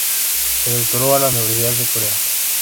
Se doctoró en la Universidad de Corea.